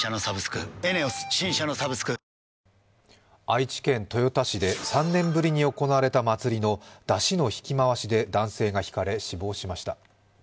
愛知県豊田市で３年ぶりに行われた祭りの山車の引き回しで、男性がひかれ、死亡しました。